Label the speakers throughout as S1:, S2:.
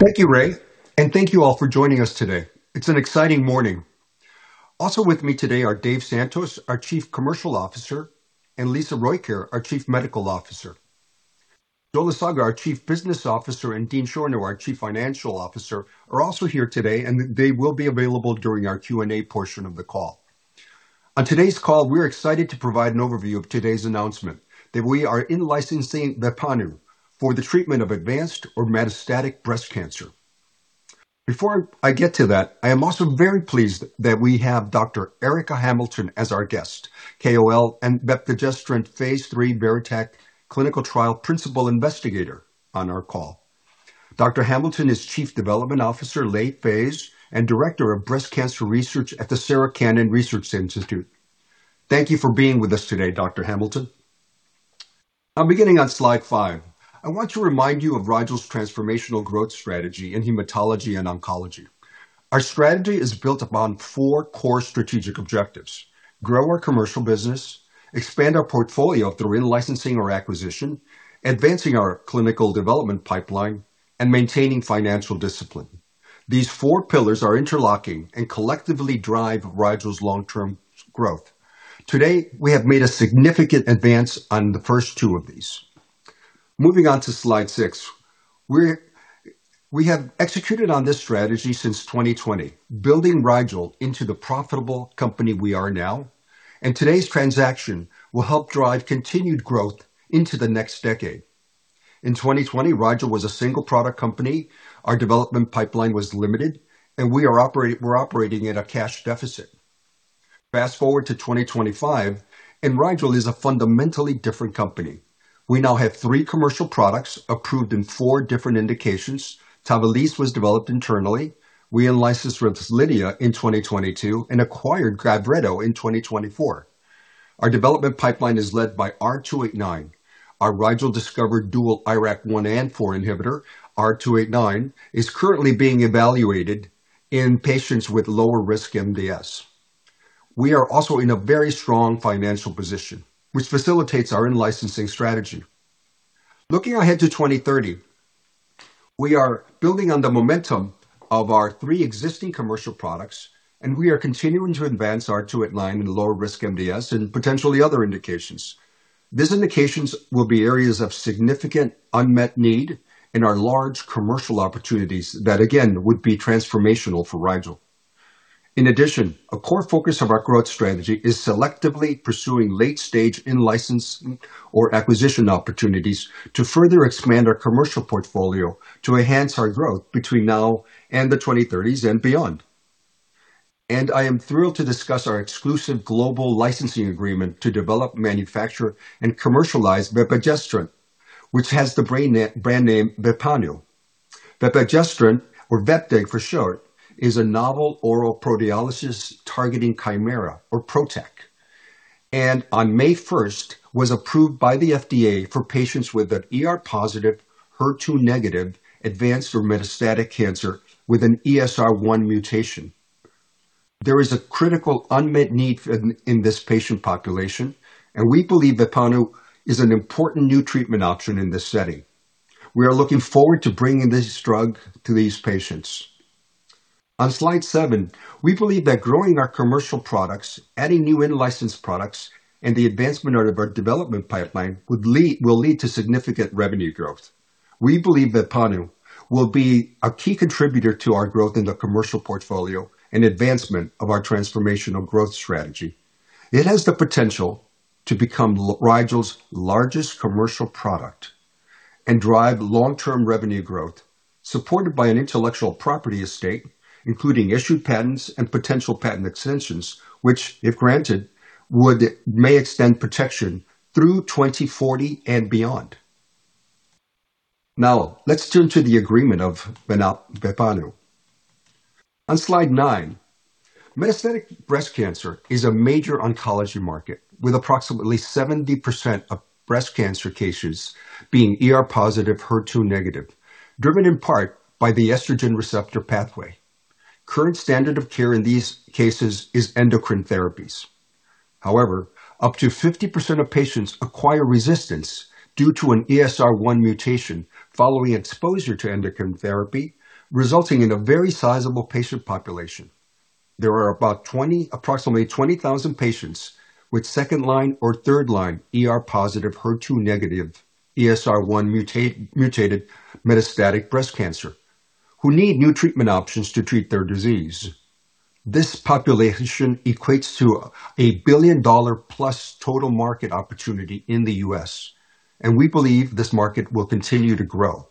S1: Thank you, Ray. Thank you all for joining us today. It's an exciting morning. Also with me today are Dave Santos, our Chief Commercial Officer, and Lisa Rojkjaer, our Chief Medical Officer. Joseph Lasaga, our Chief Business Officer, and Dean Schorno, our Chief Financial Officer, are also here today. They will be available during our Q&A portion of the call. On today's call, we're excited to provide an overview of today's announcement that we are in-licensing VEPPANU for the treatment of advanced or metastatic breast cancer. Before I get to that, I am also very pleased that we have Dr. Erika Hamilton as our guest, KOL and vepdegestrant phase III VERITAC-2 clinical trial Principal Investigator on our call. Dr. Hamilton is Chief Development Officer, Late Phase, and Director of Breast Cancer Research at the Sarah Cannon Research Institute. Thank you for being with us today, Dr. Hamilton. I'm beginning on slide five. I want to remind you of Rigel's transformational growth strategy in hematology and oncology. Our strategy is built upon four core strategic objectives: grow our commercial business, expand our portfolio through in-licensing or acquisition, advancing our clinical development pipeline, and maintaining financial discipline. These four pillars are interlocking and collectively drive Rigel's long-term growth. Today, we have made a significant advance on the first two of these. Moving on to slide six. We have executed on this strategy since 2020, building Rigel into the profitable company we are now. Today's transaction will help drive continued growth into the next decade. In 2020, Rigel was a single product company. Our development pipeline was limited, and we're operating at a cash deficit. Fast-forward to 2025, Rigel is a fundamentally different company. We now have three commercial products approved in four different indications. TAVALISSE was developed internally. We in-licensed REZLIDHIA in 2022 and acquired GAVRETO in 2024. Our development pipeline is led by R289. Our Rigel-discovered dual IRAK1/4 inhibitor, R289, is currently being evaluated in patients with lower-risk MDS. We are also in a very strong financial position, which facilitates our in-licensing strategy. Looking ahead to 2030, we are building on the momentum of our three existing commercial products. We are continuing to advance R289 in lower-risk MDS and potentially other indications. These indications will be areas of significant unmet need and are large commercial opportunities that, again, would be transformational for Rigel. In addition, a core focus of our growth strategy is selectively pursuing late-stage in-license or acquisition opportunities to further expand our commercial portfolio to enhance our growth between now and the 2030s and beyond. I am thrilled to discuss our exclusive global licensing agreement to develop, manufacture, and commercialize vepdegestrant, which has the brand name VEPPANU. Vepdegestrant, or [Vepdeg] for short, is a PROteolysis TArgeting Chimera or protac. On May 1, was approved by the FDA for patients with an ER-positive, HER2-negative advanced or metastatic cancer with an ESR1 mutation. There is a critical unmet need in this patient population, and we believe VEPPANU is an important new treatment option in this setting. We are looking forward to bringing this drug to these patients. On slide seven, we believe that growing our commercial products, adding new in-licensed products, and the advancement of our development pipeline will lead to significant revenue growth. We believe VEPPANU will be a key contributor to our growth in the commercial portfolio and advancement of our transformational growth strategy. It has the potential to become Rigel's largest commercial product and drive long-term revenue growth, supported by an intellectual property estate, including issued patents and potential patent extensions, which, if granted, may extend protection through 2040 and beyond. Let's turn to the agreement of VEPPANU. On slide nine, metastatic breast cancer is a major oncology market, with approximately 70% of breast cancer cases being ER-positive, HER2-negative, driven in part by the estrogen receptor pathway. Current standard of care in these cases is endocrine therapies. Up to 50% of patients acquire resistance due to an ESR1 mutation following exposure to endocrine therapy, resulting in a very sizable patient population. There are approximately 20,000 patients with second-line or third-line ER-positive, HER2-negative, ESR1-mutated metastatic breast cancer who need new treatment options to treat their disease. This population equates to a $1 billion+ total market opportunity in the U.S. We believe this market will continue to grow.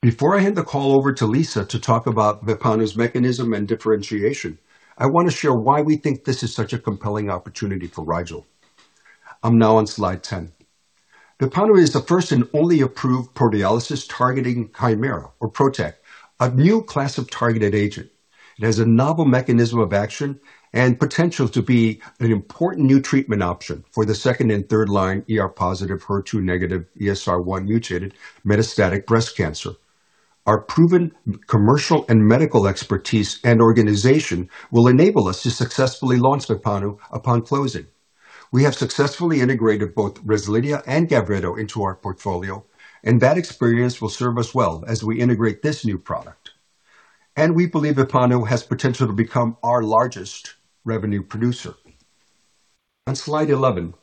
S1: Before I hand the call over to Lisa to talk about VEPPANU's mechanism and differentiation, I wanna share why we think this is such a compelling opportunity for Rigel. I'm now on slide 10. VEPPANU is the first and only approved PROteolysis TArgeting Chimera or PROTAC, a new class of targeted agent. It has a novel mechanism of action and potential to be an important new treatment option for the second and third-line ER-positive, HER2-negative, ESR1-mutated metastatic breast cancer. Our proven commercial and medical expertise and organization will enable us to successfully launch VEPPANU upon closing. We have successfully integrated both REZLIDHIA and GAVRETO into our portfolio. That experience will serve us well as we integrate this new product. We believe VEPPANU has potential to become our largest revenue producer. On slide 11,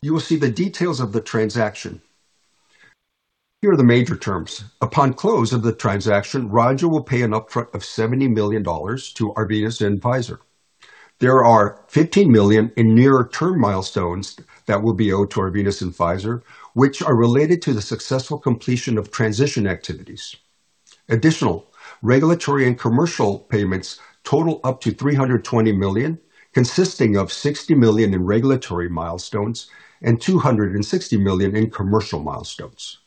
S1: you will see the details of the transaction. Here are the major terms. Upon close of the transaction, Rigel will pay an upfront of $70 million to Arvinas and Pfizer. There are $15 million in nearer term milestones that will be owed to Arvinas and Pfizer, which are related to the successful completion of transition activities. Additional regulatory and commercial payments total up to $320 million, consisting of $60 million in regulatory milestones and $260 million in commercial milestones.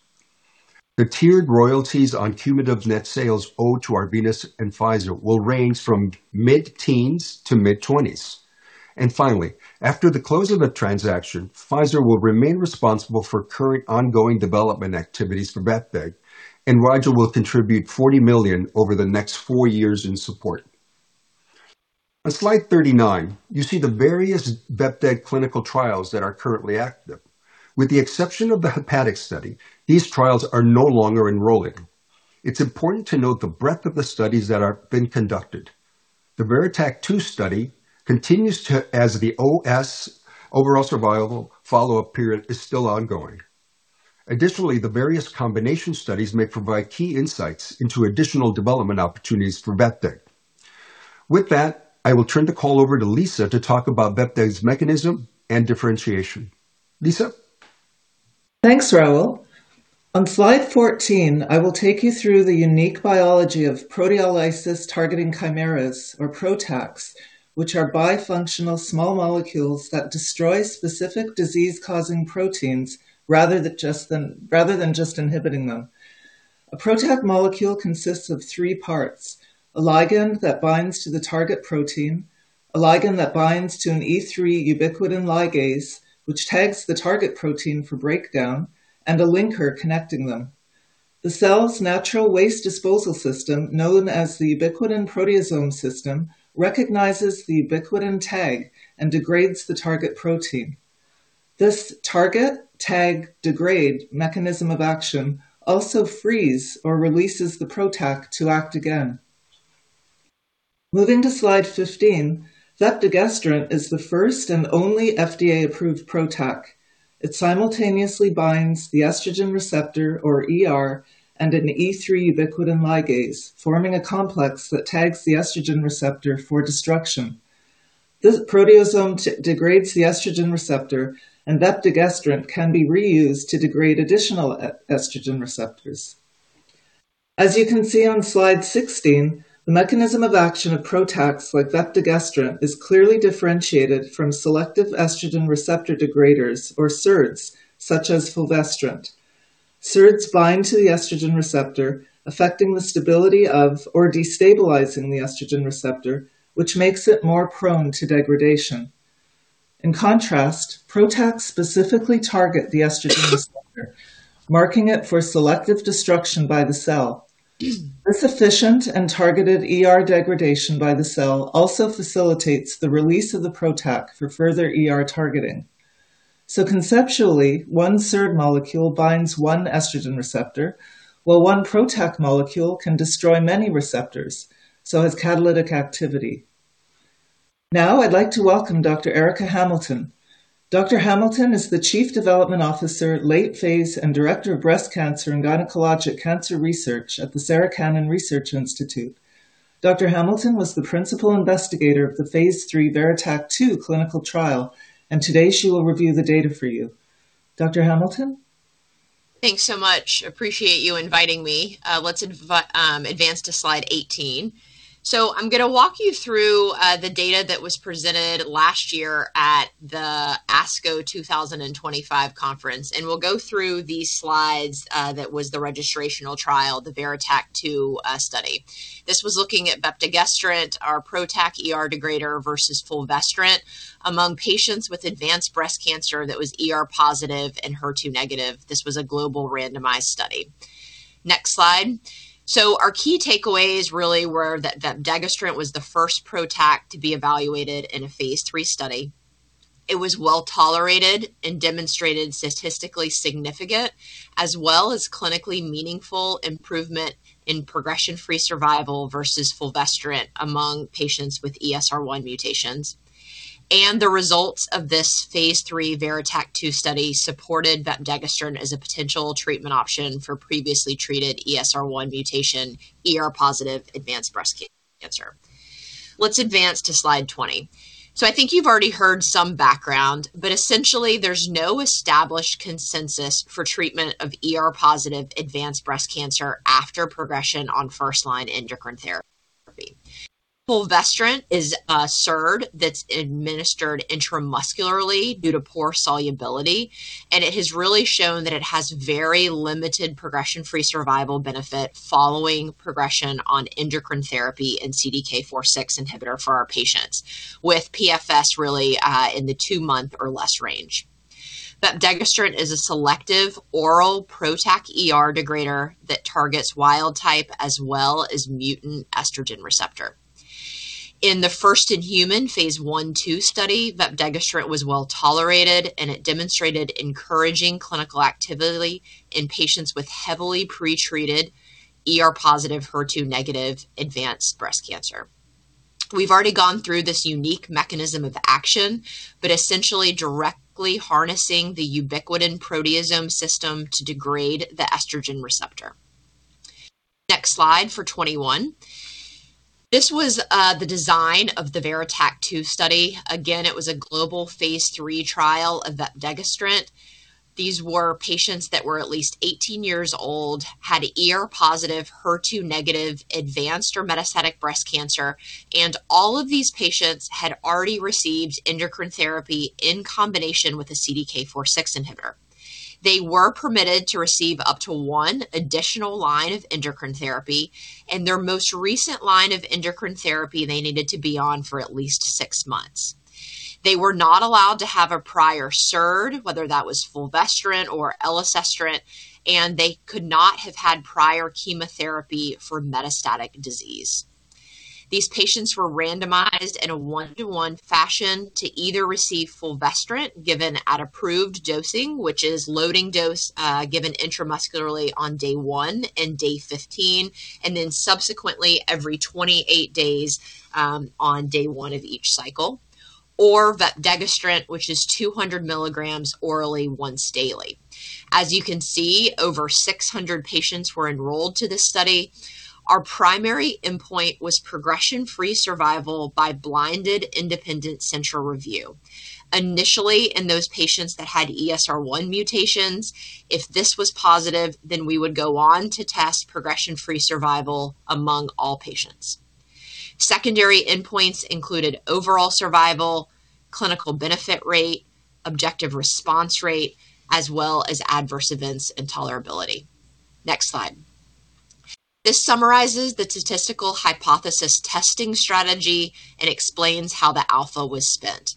S1: The tiered royalties on cumulative net sales owed to Arvinas and Pfizer will range from mid-teens to mid-20s. Finally, after the close of the transaction, Pfizer will remain responsible for current ongoing development activities for vepdegestrant, Rigel will contribute $40 million over the next 4 years in support. On slide 39, you see the various vepdegestrant clinical trials that are currently active. With the exception of the hepatic study, these trials are no longer enrolling. It's important to note the breadth of the studies that are being conducted. The VERITAC-2 study continues to as the OS overall survival follow-up period is still ongoing. Additionally, the various combination studies may provide key insights into additional development opportunities for vepdegestrant. With that, I will turn the call over to Lisa to talk about vepdegestrant's mechanism and differentiation. Lisa?
S2: Thanks, Raul. On slide 14, I will take you through the unique biology of PROteolysis TArgeting Chimeras, or PROTACs, which are bifunctional small molecules that destroy specific disease-causing proteins rather than just inhibiting them. A PROTAC molecule consists of 3 parts: a ligand that binds to the target protein, a ligand that binds to an E3 ubiquitin ligase, which tags the target protein for breakdown, and a linker connecting them. The cell's natural waste disposal system, known as the ubiquitin-proteasome system, recognizes the ubiquitin tag and degrades the target protein. This target tag degrade mechanism of action also frees or releases the PROTAC to act again. Moving to slide 15, vepdegestrant is the first and only FDA-approved PROTAC. It simultaneously binds the estrogen receptor, or ER, and an E3 ubiquitin ligase, forming a complex that tags the estrogen receptor for destruction. This proteasome degrades the estrogen receptor. vepdegestrant can be reused to degrade additional estrogen receptors. As you can see on slide 16, the mechanism of action of PROTACs like vepdegestrant is clearly differentiated from selective estrogen receptor degraders, or SERDs, such as fulvestrant. SERDs bind to the estrogen receptor, affecting the stability of or destabilizing the estrogen receptor, which makes it more prone to degradation. In contrast, PROTACs specifically target the estrogen receptor, marking it for selective destruction by the cell. This efficient and targeted ER degradation by the cell also facilitates the release of the PROTAC for further ER targeting. Conceptually, 1 SERD molecule binds 1 estrogen receptor, while 1 PROTAC molecule can destroy many receptors, has catalytic activity. Now I'd like to welcome Dr. Erika Hamilton. Dr. Hamilton is the Chief Development Officer, Late Phase, and Director of Breast Cancer and Gynecologic Cancer Research at the Sarah Cannon Research Institute. Dr. Hamilton was the principal investigator of the phase III VERITAC-2 clinical trial, and today she will review the data for you. Dr. Hamilton.
S3: Thanks so much. Appreciate you inviting me. Let's advance to slide 18. I'm gonna walk you through the data that was presented last year at the ASCO 2025 conference, and we'll go through the slides that was the registrational trial, the VERITAC-2 study. This was looking at vepdegestrant, our PROTAC ER degrader, versus fulvestrant among patients with advanced breast cancer that was ER-positive and HER2-negative. This was a global randomized study. Next slide. Our key takeaways really were that vepdegestrant was the first PROTAC to be evaluated in a phase III study. It was well-tolerated and demonstrated statistically significant as well as clinically meaningful improvement in progression-free survival versus fulvestrant among patients with ESR1 mutations. The results of this phase III VERITAC-2 study supported vepdegestrant as a potential treatment option for previously treated ESR1 mutation ER-positive advanced breast cancer. Let's advance to slide 20. I think you've already heard some background, but essentially there's no established consensus for treatment of ER-positive advanced breast cancer after progression on first-line endocrine therapy. fulvestrant is a SERD that's administered intramuscularly due to poor solubility, and it has really shown that it has very limited progression-free survival benefit following progression on endocrine therapy and CDK4/6 inhibitor for our patients with PFS really, in the 2-month or less range. Vepdegestrant is a selective oral PROTAC ER degrader that targets wild type as well as mutant estrogen receptor. In the first-in-human phase I/II study, vepdegestrant was well-tolerated, and it demonstrated encouraging clinical activity in patients with heavily pretreated ER-positive, HER2-negative advanced breast cancer. We've already gone through this unique mechanism of action, but essentially directly harnessing the ubiquitin-proteasome system to degrade the estrogen receptor. Next slide for 21. This was the design of the VERITAC-2 study. Again, it was a global phase III trial of vepdegestrant. These were patients that were at least 18 years old, had ER-positive, HER2-negative advanced or metastatic breast cancer, and all of these patients had already received endocrine therapy in combination with a CDK4/6 inhibitor. They were permitted to receive up to one additional line of endocrine therapy, and their most recent line of endocrine therapy they needed to be on for at least six months. They were not allowed to have a prior SERD, whether that was fulvestrant or elacestrant, and they could not have had prior chemotherapy for metastatic disease. These patients were randomized in a 1-to-1 fashion to either receive fulvestrant given at approved dosing, which is loading dose, given intramuscularly on day 1 and day 15, and then subsequently every 28 days, on day 1 of each cycle, or vepdegestrant, which is 200 mg orally once daily. As you can see, over 600 patients were enrolled to this study. Our primary endpoint was progression-free survival by blinded independent central review. Initially, in those patients that had ESR1 mutations, if this was positive, we would go on to test progression-free survival among all patients. Secondary endpoints included overall survival, clinical benefit rate, objective response rate, as well as adverse events and tolerability. Next slide. This summarizes the statistical hypothesis testing strategy and explains how the alpha was spent.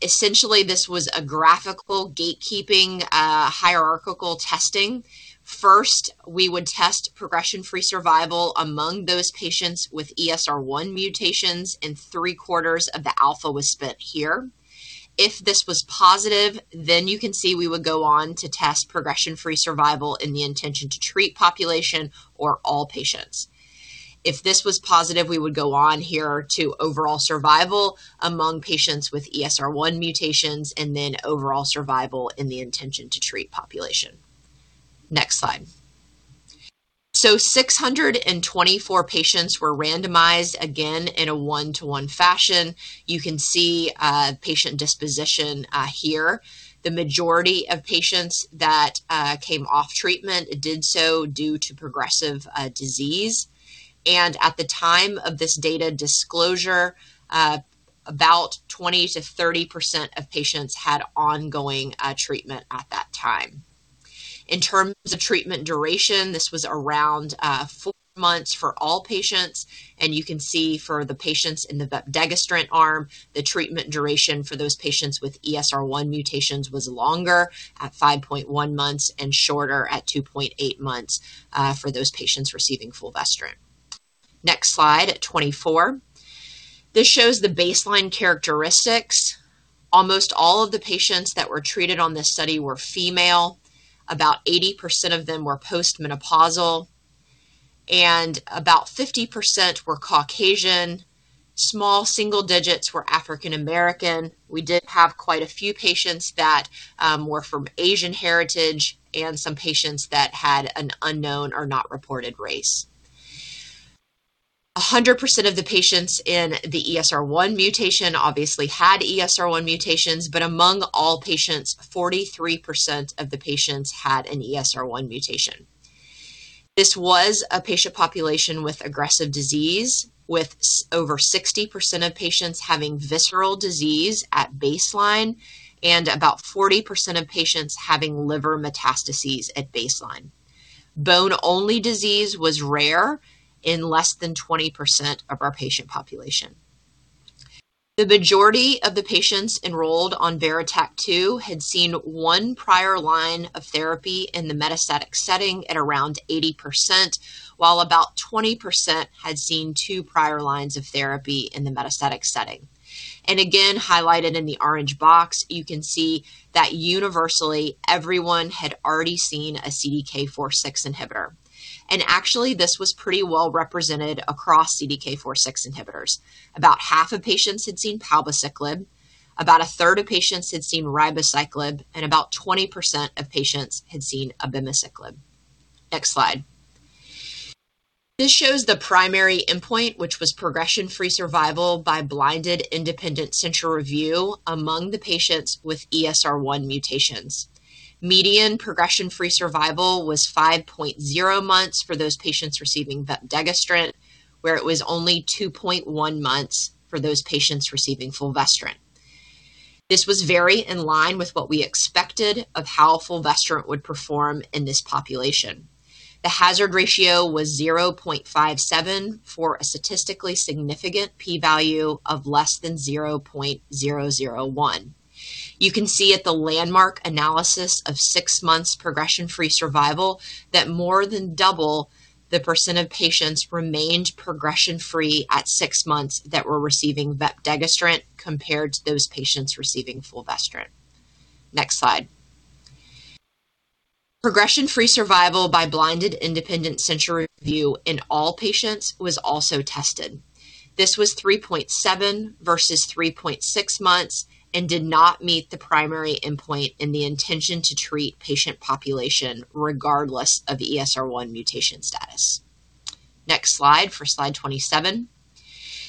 S3: Essentially, this was a graphical gatekeeping, hierarchical testing. First, we would test progression-free survival among those patients with ESR1 mutations, and three-quarters of the alpha was spent here. If this was positive, then you can see we would go on to test progression-free survival in the intention-to-treat population or all patients. If this was positive, we would go on here to overall survival among patients with ESR1 mutations and then overall survival in the intention-to-treat population. Next slide. 624 patients were randomized, again, in a 1-to-1 fashion. You can see patient disposition here. The majority of patients that came off treatment did so due to progressive disease. At the time of this data disclosure, about 20%-30% of patients had ongoing treatment at that time. In terms of treatment duration, this was around 4 months for all patients, and you can see for the patients in the vepdegestrant arm, the treatment duration for those patients with ESR1 mutations was longer at 5.1 months and shorter at 2.8 months for those patients receiving fulvestrant. Next slide, 24. This shows the baseline characteristics. Almost all of the patients that were treated on this study were female. About 80% of them were post-menopausal, and about 50% were Caucasian. Small single digits were African American. We did have quite a few patients that were from Asian heritage and some patients that had an unknown or not reported race. 100% of the patients in the ESR1 mutation obviously had ESR1 mutations, but among all patients, 43% of the patients had an ESR1 mutation. This was a patient population with aggressive disease, with over 60% of patients having visceral disease at baseline and about 40% of patients having liver metastases at baseline. Bone-only disease was rare in less than 20% of our patient population. The majority of the patients enrolled on VERITAC-2 had seen 1 prior line of therapy in the metastatic setting at around 80%, while about 20% had seen 2 prior lines of therapy in the metastatic setting. Again, highlighted in the orange box, you can see that universally everyone had already seen a CDK4/6 inhibitor. Actually, this was pretty well represented across CDK4/6 inhibitors. About half of patients had seen palbociclib, about a third of patients had seen ribociclib, and about 20% of patients had seen abemaciclib. Next slide. This shows the primary endpoint, which was progression-free survival by blinded independent central review among the patients with ESR1 mutations. Median progression-free survival was 5.0 months for those patients receiving vepdegestrant, where it was only 2.1 months for those patients receiving fulvestrant. This was very in line with what we expected of how fulvestrant would perform in this population. The hazard ratio was 0.57 for a statistically significant p-value of less than 0.001. You can see at the landmark analysis of 6 months progression-free survival that more than double the percent of patients remained progression-free at 6 months that were receiving vepdegestrant compared to those patients receiving fulvestrant. Next slide. Progression-free survival by blinded independent central review in all patients was also tested. This was 3.7 versus 3.6 months and did not meet the primary endpoint in the intention to treat patient population regardless of the ESR1 mutation status. Next slide for slide 27.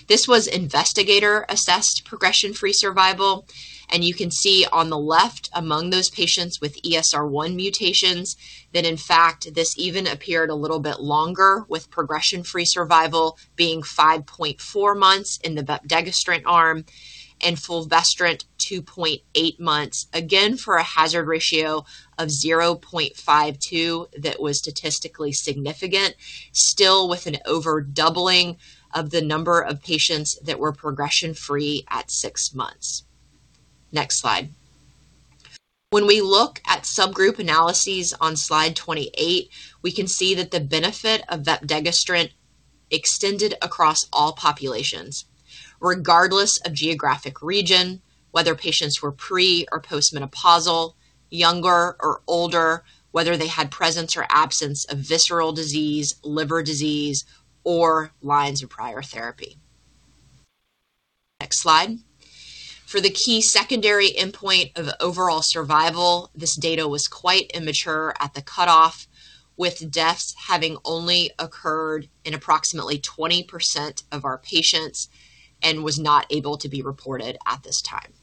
S3: This was investigator-assessed progression-free survival, and you can see on the left among those patients with ESR1 mutations that in fact this even appeared a little bit longer with progression-free survival being 5.4 months in the vepdegestrant arm and fulvestrant 2.8 months, again for a hazard ratio of 0.52 that was statistically significant still with an over doubling of the number of patients that were progression-free at 6 months. Next slide. When we look at subgroup analyses on slide 28, we can see that the benefit of vepdegestrant extended across all populations regardless of geographic region, whether patients were pre or postmenopausal, younger or older, whether they had presence or absence of visceral disease, liver disease, or lines of prior therapy. Next slide. For the key secondary endpoint of overall survival, this data was quite immature at the cutoff with deaths having only occurred in approximately 20% of our patients and was not able to be reported at this time.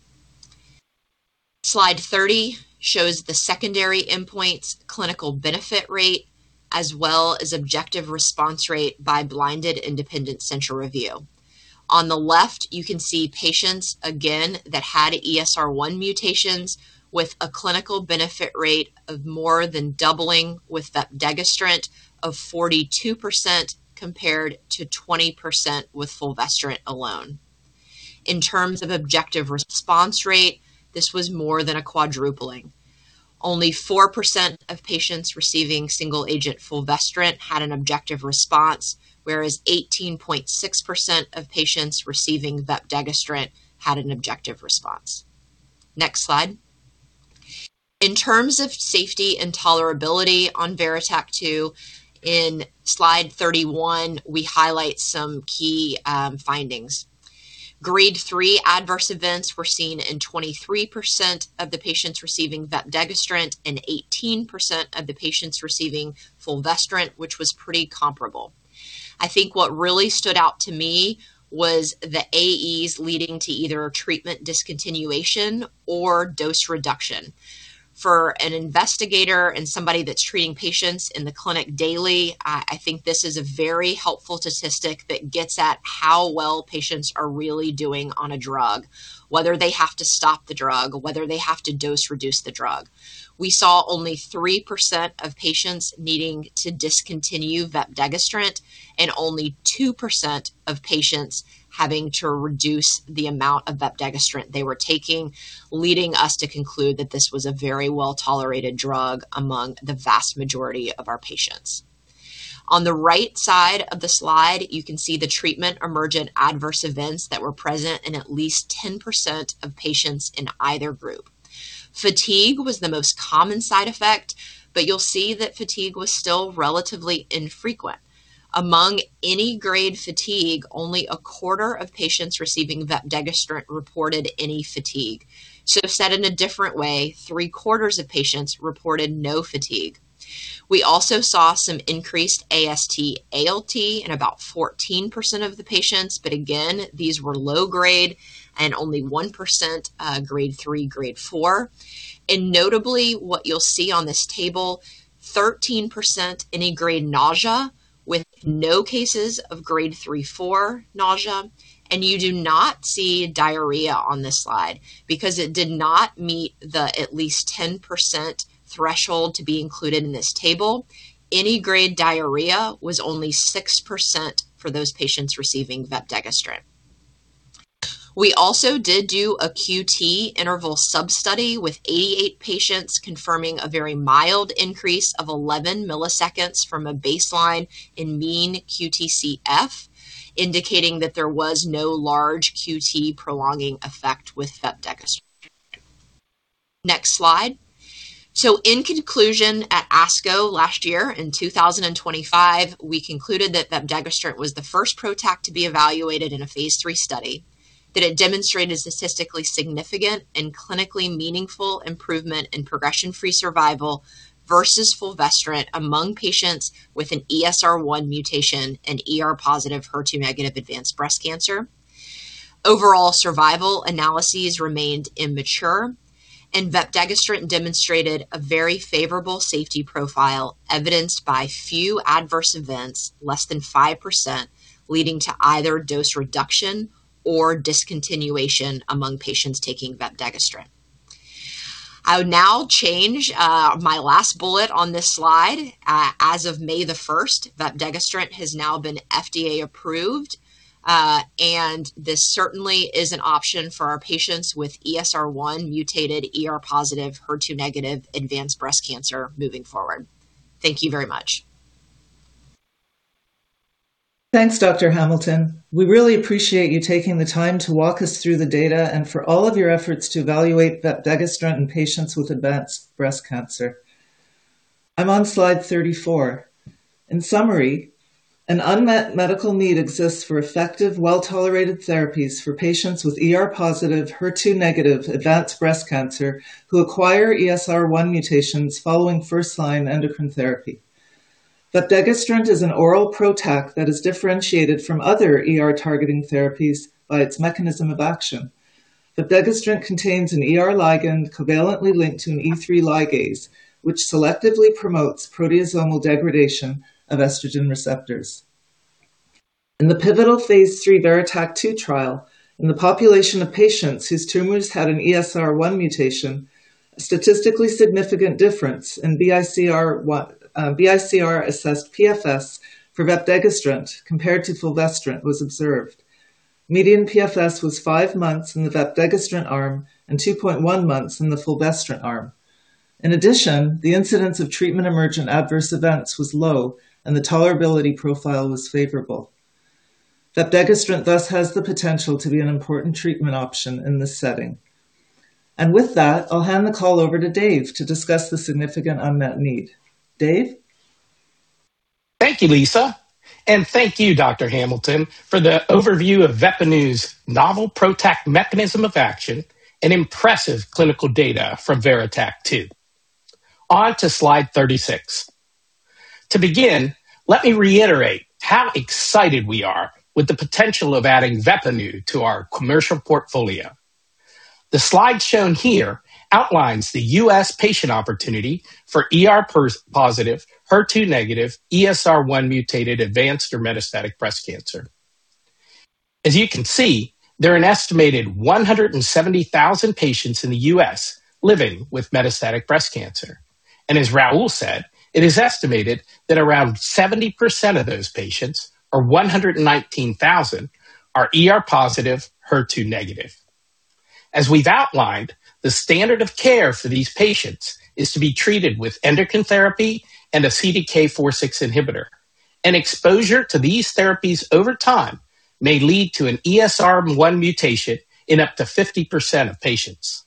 S3: Slide 30 shows the secondary endpoints clinical benefit rate as well as objective response rate by blinded independent central review. On the left, you can see patients again that had ESR1 mutations with a clinical benefit rate of more than doubling with vepdegestrant of 42% compared to 20% with fulvestrant alone. In terms of objective response rate, this was more than a quadrupling. Only 4% of patients receiving single agent fulvestrant had an objective response, whereas 18.6% of patients receiving vepdegestrant had an objective response. Next slide. In terms of safety and tolerability on VERITAC-2, in slide 31 we highlight some key findings. Grade 3 adverse events were seen in 23% of the patients receiving vepdegestrant and 18% of the patients receiving fulvestrant, which was pretty comparable. I think what really stood out to me was the AEs leading to either treatment discontinuation or dose reduction. For an investigator and somebody that's treating patients in the clinic daily, I think this is a very helpful statistic that gets at how well patients are really doing on a drug, whether they have to stop the drug or whether they have to dose reduce the drug. We saw only 3% of patients needing to discontinue vepdegestrant and only 2% of patients having to reduce the amount of vepdegestrant they were taking, leading us to conclude that this was a very well-tolerated drug among the vast majority of our patients. On the right side of the slide, you can see the treatment emergent adverse events that were present in at least 10% of patients in either group. Fatigue was the most common side effect, but you'll see that fatigue was still relatively infrequent. Among any grade fatigue, only a quarter of patients receiving vepdegestrant reported any fatigue. Said in a different way, three-quarters of patients reported no fatigue. We also saw some increased AST/ALT in about 14% of the patients, these were low grade and only 1% grade 3, grade 4. Notably, what you'll see on this table, 13% any grade nausea with no cases of grade 3-4 nausea. You do not see diarrhea on this slide because it did not meet the at least 10% threshold to be included in this table. Any grade diarrhea was only 6% for those patients receiving vepdegestrant. We also did do a QT interval sub study with 88 patients confirming a very mild increase of 11 milliseconds from a baseline in mean QTcF, indicating that there was no large QT prolonging effect with vepdegestrant. Next slide. In conclusion, at ASCO last year in 2025, we concluded that vepdegestrant was the first PROTAC to be evaluated in a phase III study, that it demonstrated statistically significant and clinically meaningful improvement in progression-free survival versus fulvestrant among patients with an ESR1 mutation and ER-positive, HER2-negative advanced breast cancer. Overall survival analyses remained immature and vepdegestrant demonstrated a very favorable safety profile evidenced by few adverse events, less than 5% leading to either dose reduction or discontinuation among patients taking vepdegestrant. I will now change my last bullet on this slide. As of May 1st, vepdegestrant has now been FDA approved. This certainly is an option for our patients with ESR1-mutated ER-positive, HER2-negative advanced breast cancer moving forward. Thank you very much.
S2: Thanks, Dr. Hamilton. We really appreciate you taking the time to walk us through the data and for all of your efforts to evaluate vepdegestrant in patients with advanced breast cancer. I'm on slide 34. In summary, an unmet medical need exists for effective, well-tolerated therapies for patients with ER-positive, HER2-negative advanced breast cancer who acquire ESR1 mutations following first-line endocrine therapy. Vepdegestrant is an oral PROTAC that is differentiated from other ER targeting therapies by its mechanism of action. Vepdegestrant contains an ER ligand covalently linked to an E3 ligase, which selectively promotes proteasomal degradation of estrogen receptors. In the pivotal phase III VERITAC-2 trial, in the population of patients whose tumors had an ESR1 mutation, a statistically significant difference in BICR-assessed PFS for vepdegestrant compared to fulvestrant was observed. Median PFS was 5 months in the vepdegestrant arm and 2.1 months in the fulvestrant arm. In addition, the incidence of treatment-emergent adverse events was low, and the tolerability profile was favorable. Vepdegestrant thus has the potential to be an important treatment option in this setting. With that, I'll hand the call over to Dave to discuss the significant unmet need. Dave?
S4: Thank you, Lisa. Thank you, Dr. Hamilton, for the overview of VEPPANU's novel PROTAC mechanism of action and impressive clinical data from VERITAC-2. On to slide 36. To begin, let me reiterate how excited we are with the potential of adding VEPPANU to our commercial portfolio. The slide shown here outlines the U.S. patient opportunity for ER-positive, HER2-negative, ESR1-mutated advanced or metastatic breast cancer. As you can see, there are an estimated 170,000 patients in the U.S. living with metastatic breast cancer. As Raul said, it is estimated that around 70% of those patients, or 119,000, are ER-positive, HER2-negative. As we've outlined, the standard of care for these patients is to be treated with endocrine therapy and a CDK4/6 inhibitor. An exposure to these therapies over time may lead to an ESR1 mutation in up to 50% of patients.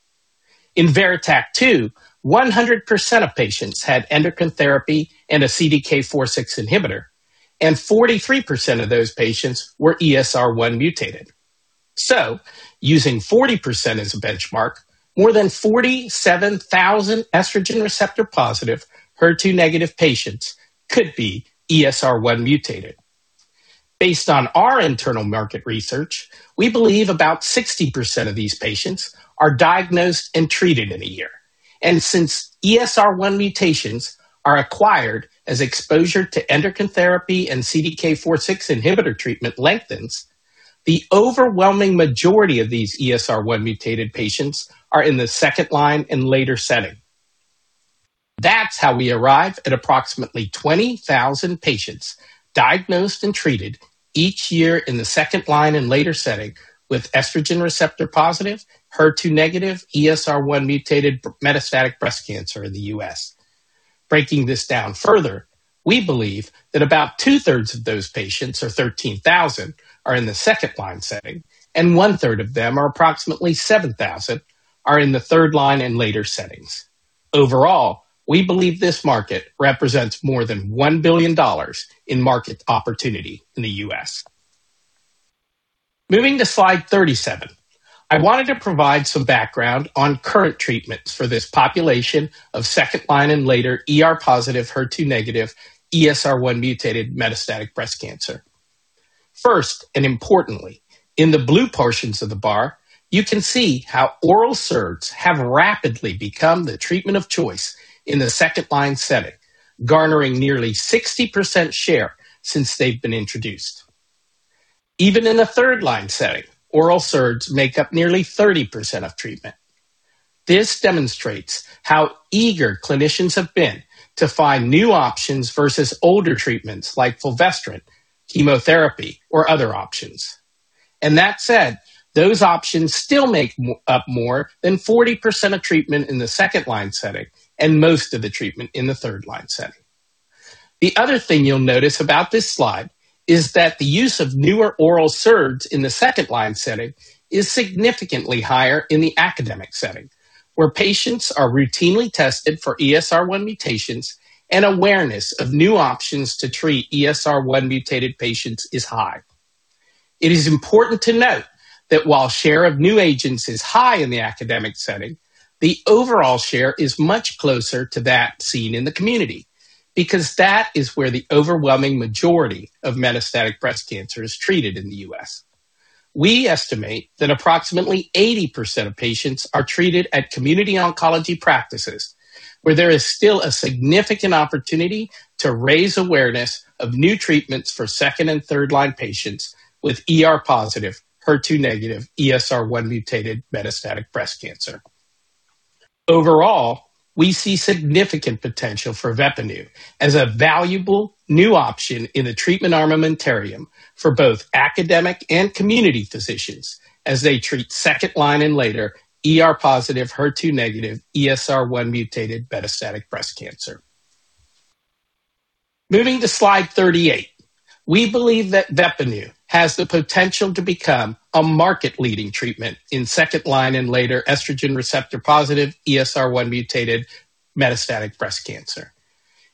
S4: In VERITAC-2, 100% of patients had endocrine therapy and a CDK4/6 inhibitor, and 43% of those patients were ESR1 mutated. Using 40% as a benchmark, more than 47,000 estrogen receptor-positive, HER2-negative patients could be ESR1 mutated. Based on our internal market research, we believe about 60% of these patients are diagnosed and treated in a year. Since ESR1 mutations are acquired as exposure to endocrine therapy and CDK4/6 inhibitor treatment lengthens, the overwhelming majority of these ESR1-mutated patients are in the second line and later setting. That's how we arrive at approximately 20,000 patients diagnosed and treated each year in the second-line and later setting with ER-positive, HER2-negative, ESR1-mutated metastatic breast cancer in the U.S. Breaking this down further, we believe that about 2/3 of those patients, or 13,000, are in the second-line setting, and 1/3 of them, or approximately 7,000, are in the third-line and later settings. Overall, we believe this market represents more than $1 billion in market opportunity in the U.S. Moving to slide 37. I wanted to provide some background on current treatments for this population of second-line and later ER-positive, HER2-negative, ESR1-mutated metastatic breast cancer. First, importantly, in the blue portions of the bar, you can see how oral SERDs have rapidly become the treatment of choice in the second-line setting, garnering nearly 60% share since they've been introduced. Even in the third-line setting, oral SERDs make up nearly 30% of treatment. This demonstrates how eager clinicians have been to find new options versus older treatments like fulvestrant, chemotherapy, or other options. That said, those options still make up more than 40% of treatment in the second-line setting and most of the treatment in the third-line setting. The other thing you'll notice about this slide is that the use of newer oral SERDs in the second-line setting is significantly higher in the academic setting, where patients are routinely tested for ESR1 mutations and awareness of new options to treat ESR1-mutated patients is high. It is important to note that while share of new agents is high in the academic setting, the overall share is much closer to that seen in the community because that is where the overwhelming majority of metastatic breast cancer is treated in the U.S. We estimate that approximately 80% of patients are treated at community oncology practices, where there is still a significant opportunity to raise awareness of new treatments for second- and third-line patients with ER-positive, HER2-negative, ESR1-mutated metastatic breast cancer. Overall, we see significant potential for VEPPANU as a valuable new option in the treatment armamentarium for both academic and community physicians as they treat second-line and later ER-positive, HER2-negative, ESR1-mutated metastatic breast cancer. Moving to slide 38. We believe that VEPPANU has the potential to become a market-leading treatment in second-line and later estrogen receptor-positive, ESR1-mutated metastatic breast cancer.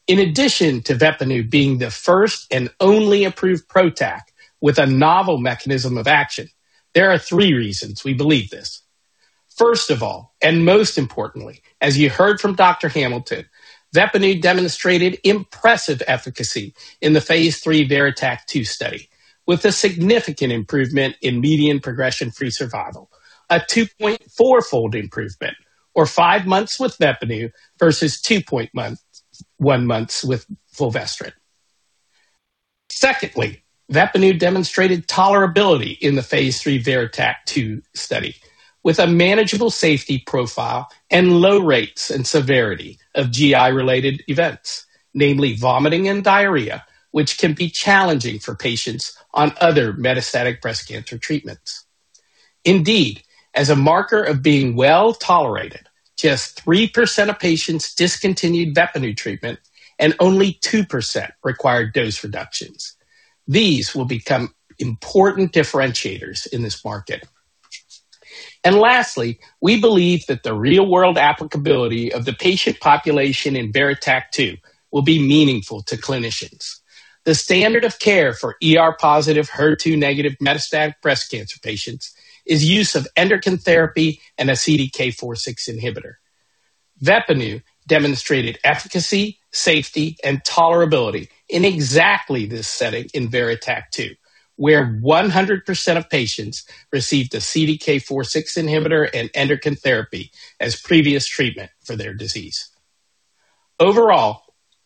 S4: In addition to VEPPANU being the first and only approved PROTAC with a novel mechanism of action, there are 3 reasons we believe this. First of all, and most importantly, as you heard from Dr. Hamilton, VEPPANU demonstrated impressive efficacy in the phase III VERITAC-2 study, with a significant improvement in median progression-free survival. A 2.4-fold improvement or 5 months with VEPPANU versus 2.1 months with fulvestrant. Secondly, VEPPANU demonstrated tolerability in the phase III VERITAC-2 study with a manageable safety profile and low rates and severity of GI-related events, namely vomiting and diarrhea, which can be challenging for patients on other metastatic breast cancer treatments. Indeed, as a marker of being well-tolerated, just 3% of patients discontinued VEPPANU treatment, and only 2% required dose reductions. These will become important differentiators in this market. Lastly, we believe that the real-world applicability of the patient population in VERITAC-2 will be meaningful to clinicians. The standard of care for ER-positive, HER2-negative metastatic breast cancer patients is use of endocrine therapy and a CDK4/6 inhibitor. VEPPANU demonstrated efficacy, safety, and tolerability in exactly this setting in VERITAC-2, where 100% of patients received a CDK4/6 inhibitor and endocrine therapy as previous treatment for their disease.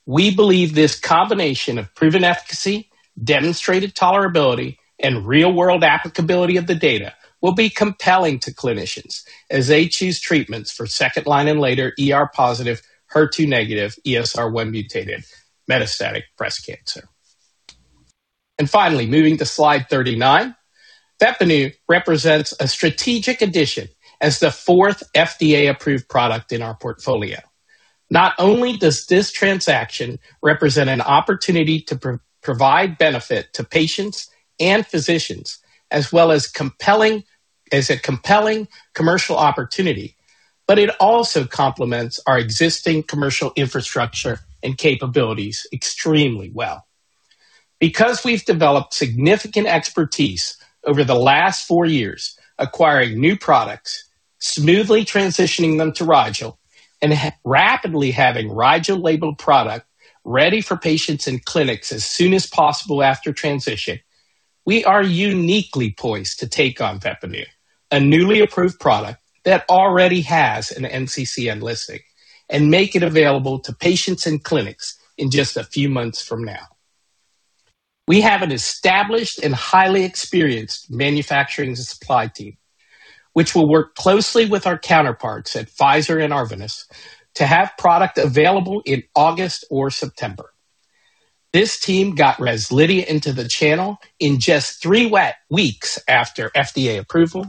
S4: We believe this combination of proven efficacy, demonstrated tolerability, and real-world applicability of the data will be compelling to clinicians as they choose treatments for second-line and later ER-positive, HER2-negative, ESR1-mutated metastatic breast cancer. Finally, moving to slide 39. VEPPANU represents a strategic addition as the fourth FDA-approved product in our portfolio. Not only does this transaction represent an opportunity to provide benefit to patients and physicians, as well as is a compelling commercial opportunity, but it also complements our existing commercial infrastructure and capabilities extremely well. Because we've developed significant expertise over the last four years acquiring new products, smoothly transitioning them to Rigel, and rapidly having Rigel-labeled product ready for patients in clinics as soon as possible after transition, we are uniquely poised to take on VEPPANU, a newly approved product that already has an NCCN listing, and make it available to patients in clinics in just a few months from now. We have an established and highly experienced manufacturing and supply team, which will work closely with our counterparts at Pfizer and Arvinas to have product available in August or September. This team got REZLIDHIA into the channel in just 3 weeks after FDA approval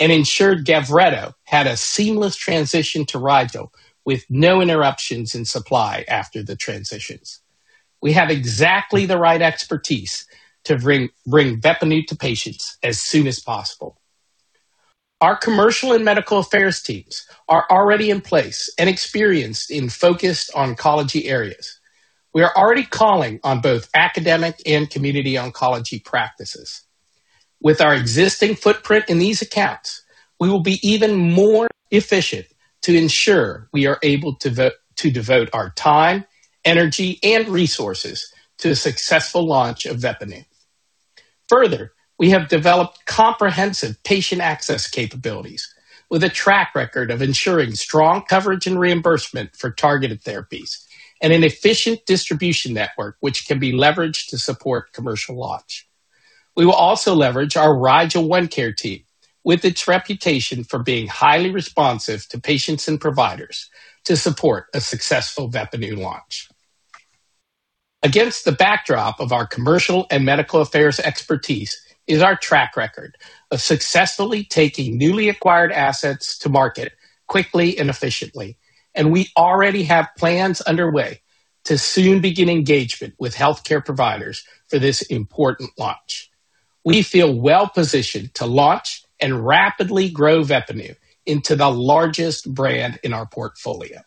S4: and ensured GAVRETO had a seamless transition to Rigel with no interruptions in supply after the transitions. We have exactly the right expertise to bring VEPPANU to patients as soon as possible. Our commercial and medical affairs teams are already in place and experienced in focused oncology areas. We are already calling on both academic and community oncology practices. With our existing footprint in these accounts, we will be even more efficient to ensure we are able to devote our time, energy, and resources to the successful launch of VEPPANU. Further, we have developed comprehensive patient access capabilities with a track record of ensuring strong coverage and reimbursement for targeted therapies and an efficient distribution network which can be leveraged to support commercial launch. We will also leverage our Rigel ONECARE team with its reputation for being highly responsive to patients and providers to support a successful VEPPANU launch. Against the backdrop of our commercial and medical affairs expertise is our track record of successfully taking newly acquired assets to market quickly and efficiently, and we already have plans underway to soon begin engagement with healthcare providers for this important launch. We feel well-positioned to launch and rapidly grow VEPPANU into the largest brand in our portfolio.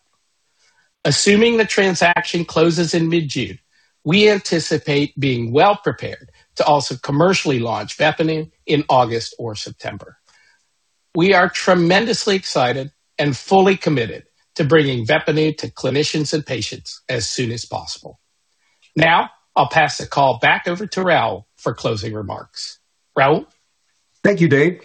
S4: Assuming the transaction closes in mid-June, we anticipate being well-prepared to also commercially launch VEPPANU in August or September. We are tremendously excited and fully committed to bringing VEPPANU to clinicians and patients as soon as possible. I'll pass the call back over to Raul for closing remarks. Raul?
S1: Thank you, Dave.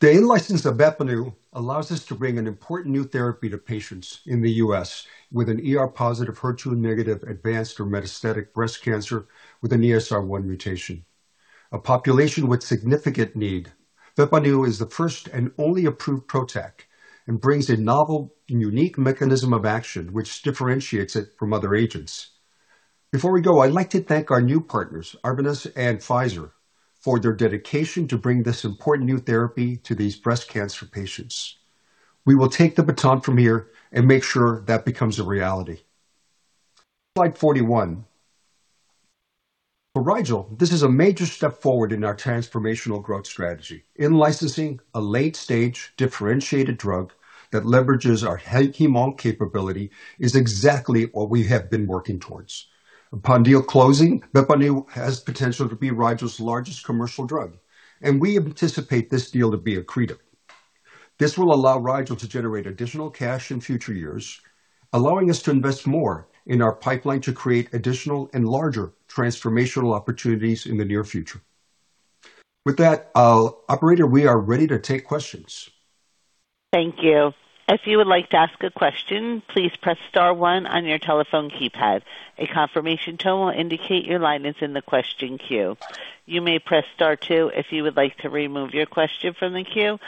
S1: The in-license of VEPPANU allows us to bring an important new therapy to patients in the U.S. with an ER-positive, HER2-negative advanced or metastatic breast cancer with an ESR1 mutation. A population with significant need. VEPPANU is the first and only approved PROTAC and brings a novel and unique mechanism of action, which differentiates it from other agents. Before we go, I'd like to thank our new partners, Arvinas and Pfizer, for their dedication to bring this important new therapy to these breast cancer patients. We will take the baton from here and make sure that becomes a reality. Slide 41. For Rigel, this is a major step forward in our transformational growth strategy. In licensing a late-stage differentiated drug that leverages our [HemOnc] capability is exactly what we have been working towards. Upon deal closing, VEPPANU has potential to be Rigel's largest commercial drug, and we anticipate this deal to be accretive. This will allow Rigel to generate additional cash in future years, allowing us to invest more in our pipeline to create additional and larger transformational opportunities in the near future. With that, operator, we are ready to take questions.
S5: Thank you. If you would like to ask a question, please press star one on your telephone keypad. A confirmation tone will indicate your line is in the question queue. You may press star two if you would like to remove your question from the queue.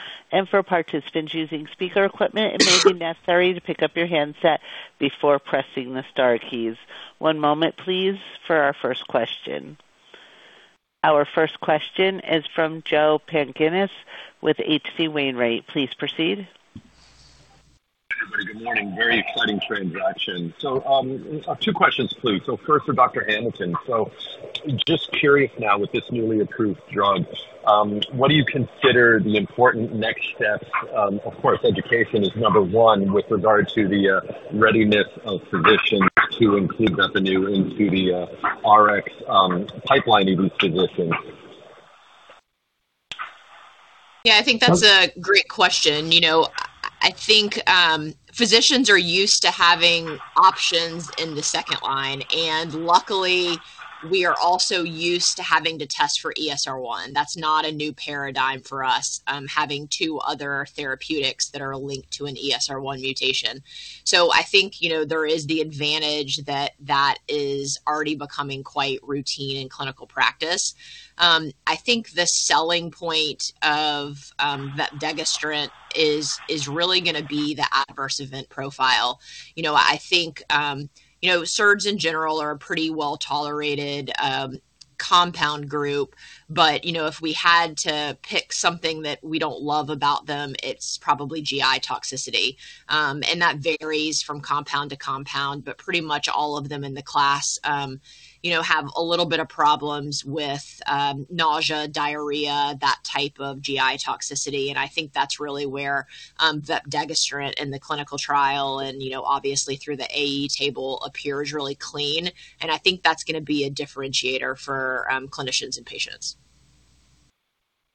S5: For participants using speaker equipment, it may be necessary to pick up your handset before pressing the star keys. One moment please for our first question. Our first question is from Joe Pantginis with H.C. Wainwright. Please proceed.
S6: Hi, everybody. Good morning. Very exciting transaction. Two questions, please. First for Dr. Hamilton. Just curious now with this newly approved drug, what do you consider the important next steps? Of course, education is number 1 with regard to the readiness of physicians to include VEPPANU into the RX pipeline in these physicians.
S3: Yeah, I think that's a great question. You know, I think, physicians are used to having options in the second line, and luckily, we are also used to having to test for ESR1. That's not a new paradigm for us, having two other therapeutics that are linked to an ESR1 mutation. I think, you know, there is the advantage that that is already becoming quite routine in clinical practice. I think the selling point of vepdegestrant is really gonna be the adverse event profile. You know, I think, you know, SERDs in general are a pretty well-tolerated compound group. You know, if we had to pick something that we don't love about them, it's probably GI toxicity. That varies from compound to compound, but pretty much all of them in the class, you know, have a little bit of problems with, nausea, diarrhea, that type of GI toxicity. I think that's really where vepdegestrant in the clinical trial and, you know, obviously through the AE table appears really clean. I think that's gonna be a differentiator for clinicians and patients.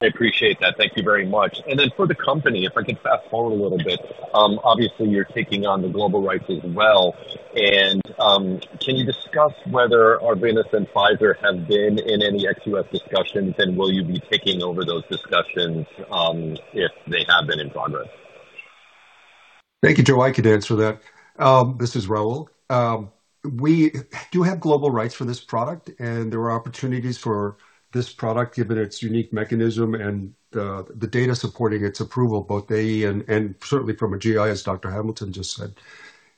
S6: I appreciate that. Thank you very much. For the company, if I could fast-forward a little bit, obviously you're taking on the global rights as well. Can you discuss whether Arvinas and Pfizer have been in any ex-U.S. discussions, and will you be taking over those discussions, if they have been in progress?
S1: Thank you, Joe. I could answer that. This is Raul. We do have global rights for this product, there are opportunities for this product, given its unique mechanism, the data supporting its approval, both AE and certainly from a GI, as Dr. Hamilton just said.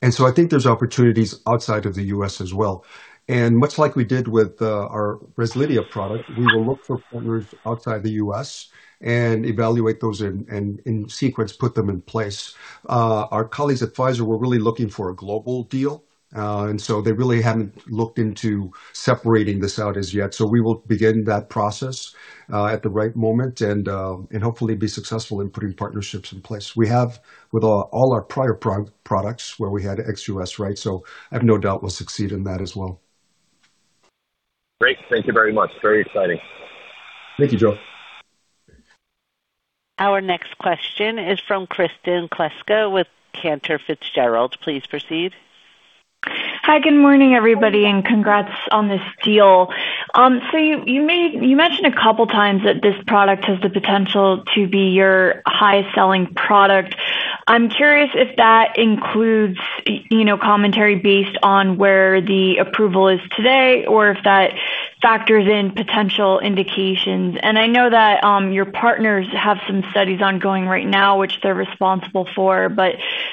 S1: I think there's opportunities outside of the U.S. as well. Much like we did with our REZLIDHIA product, we will look for partners outside the U.S. and evaluate those and in sequence, put them in place. Our colleagues at Pfizer were really looking for a global deal, they really haven't looked into separating this out as yet. We will begin that process at the right moment and hopefully be successful in putting partnerships in place. We have with all our prior products where we had ex-U.S. rights, so I have no doubt we'll succeed in that as well.
S6: Great. Thank you very much. Very exciting.
S1: Thank you, Joe.
S5: Our next question is from Kristen Kluska with Cantor Fitzgerald. Please proceed.
S7: Hi, good morning, everybody, and congrats on this deal. You mentioned a couple times that this product has the potential to be your highest-selling product. I'm curious if that includes, you know, commentary based on where the approval is today or if that factors in potential indications. I know that your partners have some studies ongoing right now, which they're responsible for.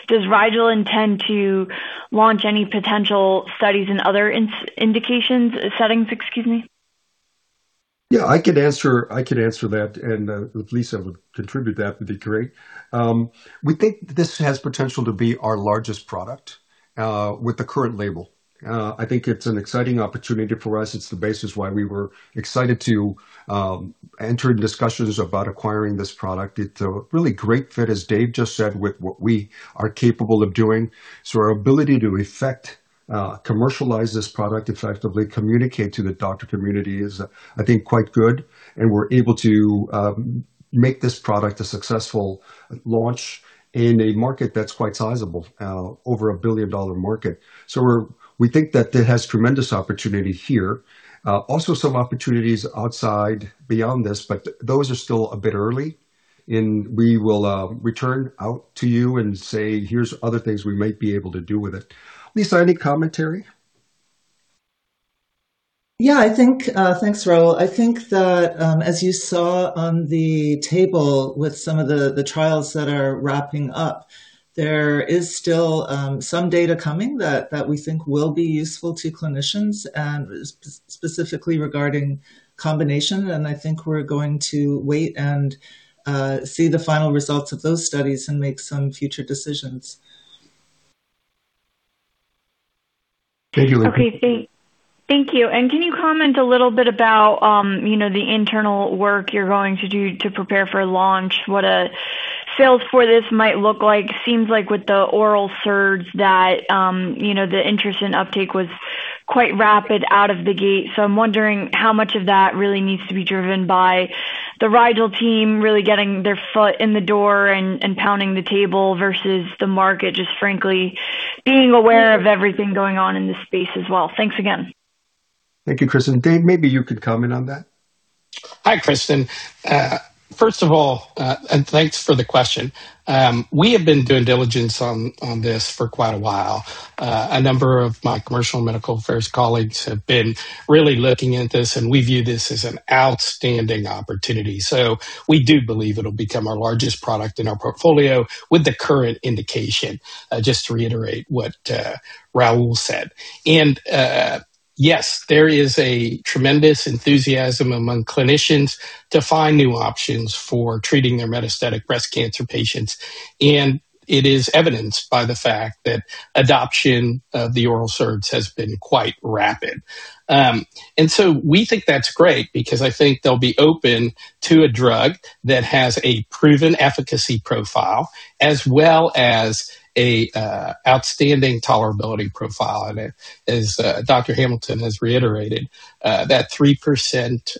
S7: Does Rigel intend to launch any potential studies in other indications settings, excuse me?
S1: I could answer that. If Lisa would contribute, that would be great. We think this has potential to be our largest product with the current label. I think it's an exciting opportunity for us. It's the basis why we were excited to enter in discussions about acquiring this product. It's a really great fit, as Dave just said, with what we are capable of doing. Our ability to effectively commercialize this product effectively, communicate to the doctor community is, I think, quite good, and we're able to make this product a successful launch in a market that's quite sizable, over a $1 billion-dollar market. We think that it has tremendous opportunity here. Also some opportunities outside beyond this, but those are still a bit early. We will return out to you and say, "Here's other things we might be able to do with it." Lisa, any commentary?
S2: Yeah, I think. Thanks, Raul. I think that, as you saw on the table with some of the trials that are wrapping up, there is still some data coming that we think will be useful to clinicians and specifically regarding combination. I think we're going to wait and see the final results of those studies and make some future decisions.
S1: Thank you, Lisa.
S7: Okay. Thank you. Can you comment a little bit about, you know, the internal work you're going to do to prepare for launch, what a sales for this might look like? Seems like with the oral SERDs that, you know, the interest in uptake was quite rapid out of the gate. I'm wondering how much of that really needs to be driven by the Rigel team really getting their foot in the door and pounding the table versus the market just frankly being aware of everything going on in this space as well. Thanks again.
S1: Thank you, Kristen. Dave, maybe you could comment on that.
S4: Hi, Kristen. First of all, thanks for the question. We have been due diligence on this for quite a while. A number of my commercial medical affairs colleagues have been really looking at this, we view this as an outstanding opportunity. We do believe it'll become our largest product in our portfolio with the current indication, just to reiterate what Raul said. Yes, there is a tremendous enthusiasm among clinicians to find new options for treating their metastatic breast cancer patients, it is evidenced by the fact that adoption of the oral SERDs has been quite rapid. We think that's great because I think they'll be open to a drug that has a proven efficacy profile as well as a outstanding tolerability profile. As Dr. Hamilton has reiterated, that 3%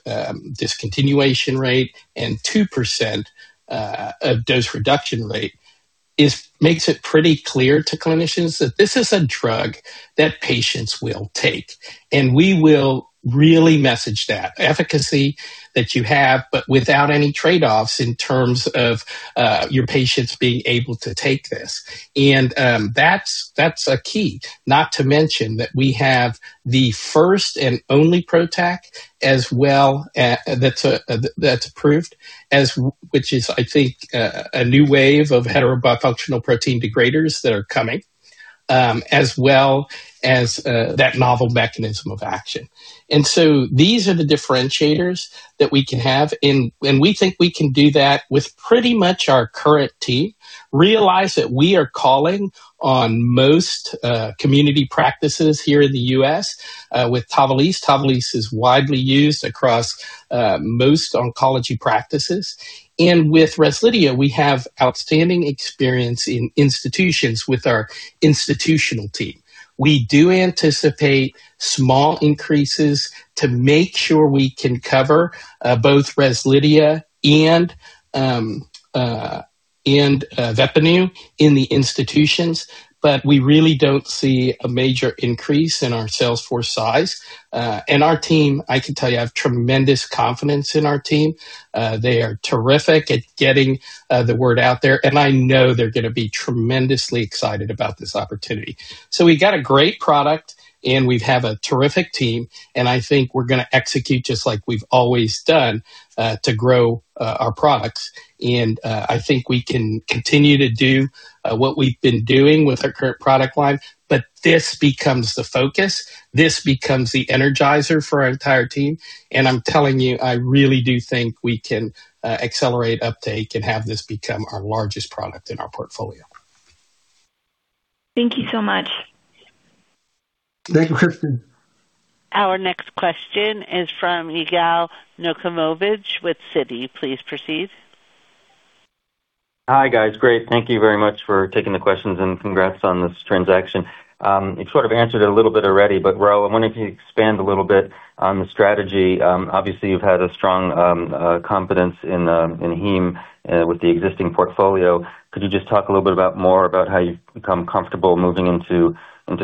S4: discontinuation rate and 2% of dose reduction rate makes it pretty clear to clinicians that this is a drug that patients will take. We will really message that efficacy that you have, but without any trade-offs in terms of your patients being able to take this. That's a key. Not to mention that we have the first and only PROTAC as well, that's approved which is, I think, a new wave of heterobifunctional protein degraders that are coming, as well as that novel mechanism of action. These are the differentiators that we can have and we think we can do that with pretty much our current team. Realize that we are calling on most community practices here in the U.S. with TAVALISSE. TAVALISSE is widely used across most oncology practices. With REZLIDHIA, we have outstanding experience in institutions with our institutional team. We do anticipate small increases to make sure we can cover both REZLIDHIA and VEPPANU in the institutions, but we really don't see a major increase in our sales force size. Our team, I can tell you, I have tremendous confidence in our team. They are terrific at getting the word out there, and I know they're gonna be tremendously excited about this opportunity. We got a great product, and we have a terrific team, and I think we're gonna execute just like we've always done to grow our products. I think we can continue to do what we've been doing with our current product line. This becomes the focus, this becomes the energizer for our entire team, and I'm telling you, I really do think we can accelerate uptake and have this become our largest product in our portfolio.
S7: Thank you so much.
S1: Thank you, Kristen.
S5: Our next question is from Yigal Nochomovitz with Citi. Please proceed.
S8: Hi, guys. Great. Thank you very much for taking the questions. Congrats on this transaction. You sort of answered it a little bit already, Raul, I wanted to expand a little bit on the strategy. Obviously you've had a strong confidence in [Hem] with the existing portfolio. Could you just talk a little bit more about how you've become comfortable moving into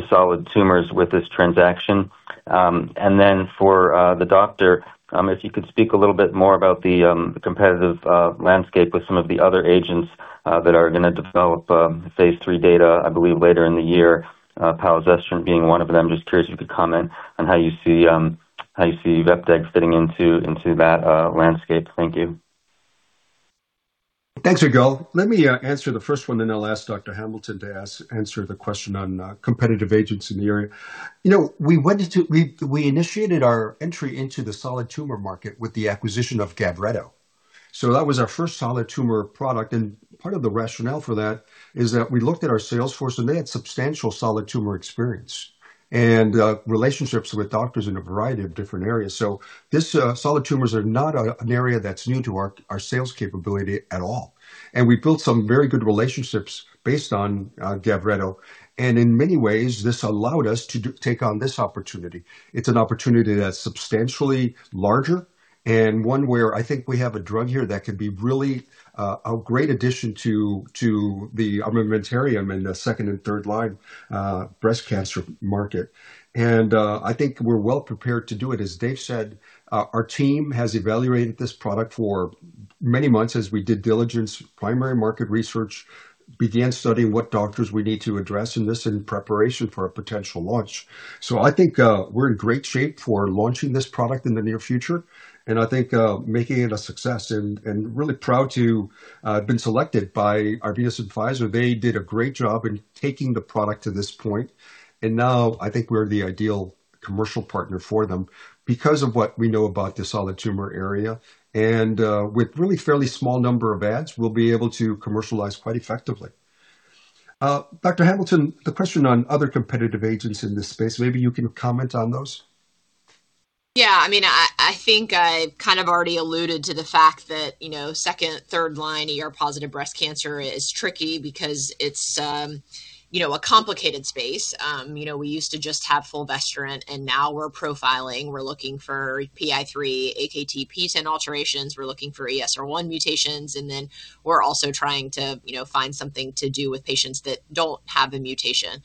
S8: solid tumors with this transaction? Then for the doctor, if you could speak a little bit more about the competitive landscape with some of the other agents that are gonna develop phase III data, I believe, later in the year, palazestrant being one of them. Just curious if you could comment on how you see how you see vepdegestrant fitting into that landscape. Thank you.
S1: Thanks, Yigal. Let me answer the first one, then I'll ask Dr. Hamilton to answer the question on competitive agents in the area. You know, we initiated our entry into the solid tumor market with the acquisition of GAVRETO. That was our first solid tumor product, and part of the rationale for that is that we looked at our sales force, and they had substantial solid tumor experience and relationships with doctors in a variety of different areas. This solid tumors are not an area that's new to our sales capability at all. We built some very good relationships based on GAVRETO. In many ways, this allowed us to take on this opportunity. It's an opportunity that's substantially larger and one where I think we have a drug here that can be really a great addition to the armamentarium in the second and third line breast cancer market. I think we're well prepared to do it. As Dave said, our team has evaluated this product for many months as we did diligence, primary market research, began studying what doctors we need to address in this in preparation for a potential launch. I think we're in great shape for launching this product in the near future and I think making it a success. Really proud to have been selected by Arvinas and Pfizer. They did a great job in taking the product to this point, and now I think we're the ideal commercial partner for them because of what we know about the solid tumor area, and with really fairly small number of ads, we'll be able to commercialize quite effectively. Dr. Hamilton, the question on other competitive agents in this space, maybe you can comment on those.
S3: Yeah, I mean, I think I've kind of already alluded to the fact that, you know, second, third line ER-positive breast cancer is tricky because it's, you know, a complicated space. You know, we used to just have fulvestrant. Now we're profiling. We're looking for PI3K, AKT, PTEN alterations. We're looking for ESR1 mutations. We're also trying to, you know, find something to do with patients that don't have a mutation.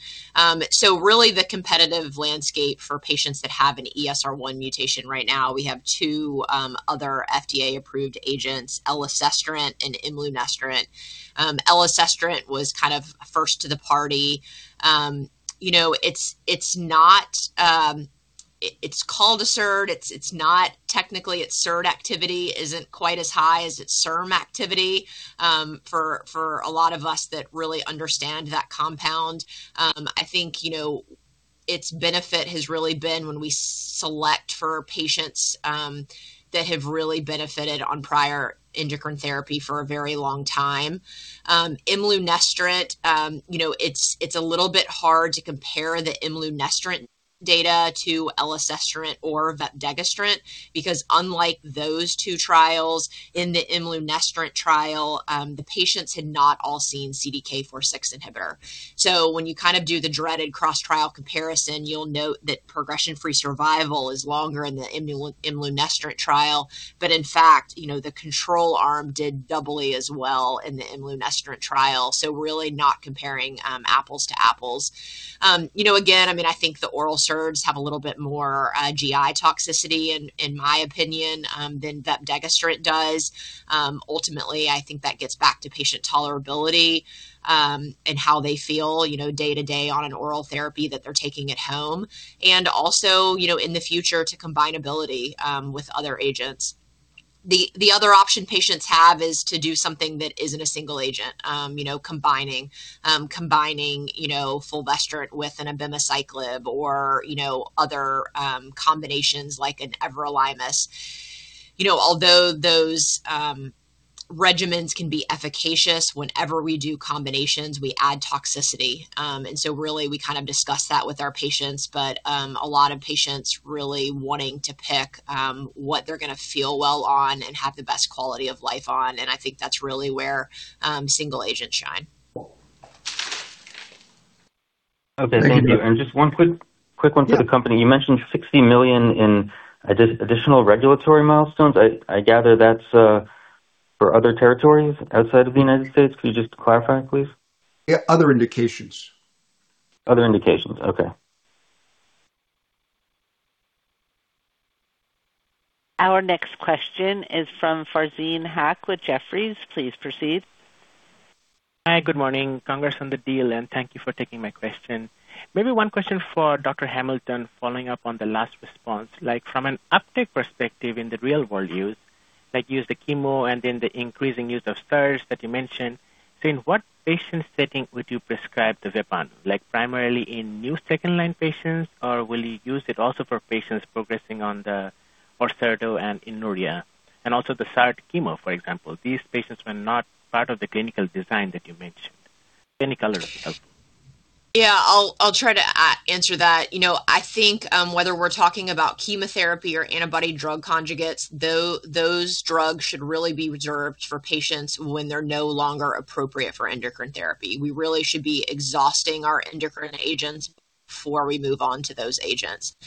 S3: Really the competitive landscape for patients that have an ESR1 mutation right now, we have two other FDA-approved agents, elacestrant and imlunestrant. Elacestrant was kind of first to the party. You know, it's not, it's called a SERD. Its SERD activity isn't quite as high as its SERM activity, for a lot of us that really understand that compound. I think, you know, its benefit has really been when we select for patients that have really benefited on prior endocrine therapy for a very long time. Imlunestrant, you know, it's a little bit hard to compare the imlunestrant data to elacestrant or vepdegestrant because unlike those two trials, in the imlunestrant trial, the patients had not all seen CDK4/6 inhibitor. When you kind of do the dreaded cross-trial comparison, you'll note that progression-free survival is longer in the imlunestrant trial. In fact, you know, the control arm did doubly as well in the imlunestrant trial. Really not comparing apples to apples. You know, again, I mean, I think the oral SERDs have a little bit more GI toxicity in my opinion than vepdegestrant does. Ultimately, I think that gets back to patient tolerability, and how they feel, you know, day-to-day on an oral therapy that they're taking at home. Also, you know, in the future to combinability with other agents. The other option patients have is to do something that isn't a single agent, you know, combining. Combining, you know, fulvestrant with an abemaciclib or, you know, other combinations like an everolimus. You know, although those regimens can be efficacious, whenever we do combinations, we add toxicity. Really we kind of discuss that with our patients, but a lot of patients really wanting to pick what they're gonna feel well on and have the best quality of life on, and I think that's really where single agents shine.
S1: Thank you.
S8: Okay, thank you. Just one quick one for the company.
S1: Yeah.
S8: You mentioned $60 million in additional regulatory milestones. I gather that's for other territories outside of the U.S.? Could you just clarify, please?
S1: Yeah, other indications.
S8: Other indications, okay.
S5: Our next question is from Farzin Haque with Jefferies. Please proceed.
S9: Hi, good morning. Congrats on the deal, and thank you for taking my question. Maybe one question for Dr. Hamilton following up on the last response. Like, from an uptake perspective in the real-world use, like use the chemo and then the increasing use of SERDs that you mentioned. In what patient setting would you prescribe the VEPPANU? Like primarily in new second-line patients or will you use it also for patients progressing on the ORSERDU and imlunestrant? Also the SERD chemo, for example. These patients were not part of the clinical design that you mentioned. Any color would be helpful.
S3: Yeah, I'll try to answer that. You know, I think, whether we're talking about chemotherapy or antibody drug conjugates, those drugs should really be reserved for patients when they're no longer appropriate for endocrine therapy. We really should be exhausting our endocrine agents before we move on to those agents.